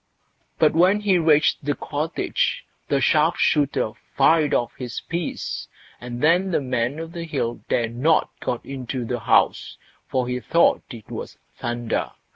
But when he reached the cottage, the sharp shooter fired off his piece, and then the Man o' the Hill dared not go into the house, for he thought it was thunder.